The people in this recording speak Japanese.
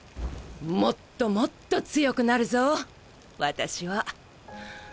もっともっと強くなるぞ私は。